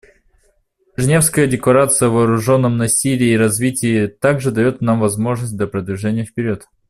Женевская декларация о вооруженном насилии и развитии также дает нам возможность для продвижения вперед.